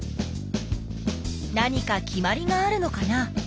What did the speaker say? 何か決まりがあるのかな？